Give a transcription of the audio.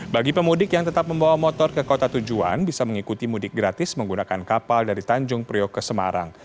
bagi pemudik yang tetap membawa motor ke kota tujuan bisa mengikuti mudik gratis menggunakan kapal dari tanjung priok ke semarang